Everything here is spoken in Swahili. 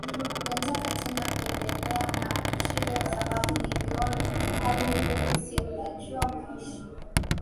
nataka tena kuendelea na shule sababu niliona hali ngumu si unajua maisha